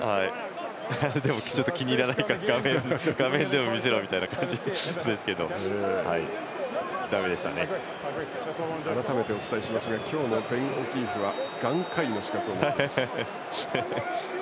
でもちょっと気に入らないから画面を見せろというジェスチャーでしたが改めてお伝えしますが今日のベン・オキーフは眼科医の資格を持っています。